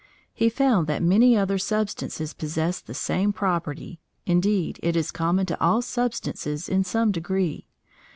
He found that many other substances possessed the same property. Indeed it is common to all substances in some degree.